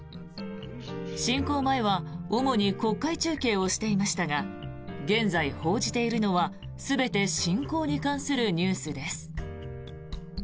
侵攻前は主に国会中継をしていましたが現在、報じているのは全て侵攻に関するニュースです。